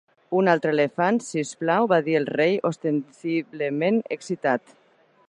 "Un altre elefant, si us plau!", va dir el rei, ostensiblement excitat.